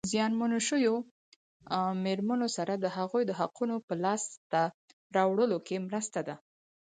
زیانمنو شویو مېرمنو سره د هغوی د حقوقو په لاسته راوړلو کې مرسته ده.